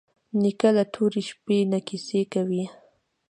نیکه له تورې شپې نه کیسې کوي.